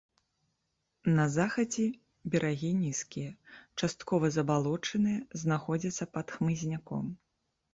На захадзе берагі нізкія, часткова забалочаныя, знаходзяцца пад хмызняком.